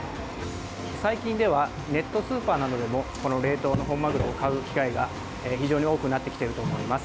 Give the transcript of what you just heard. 最近ではネットスーパーなどでもこの冷凍の本マグロを買う機会が非常に多くなってきていると思います。